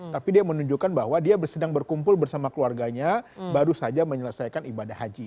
tapi dia menunjukkan bahwa dia sedang berkumpul bersama keluarganya baru saja menyelesaikan ibadah haji